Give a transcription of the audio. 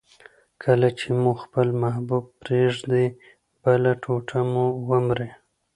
کله چي مو خپل محبوب پرېږدي، بله ټوټه مو ومري.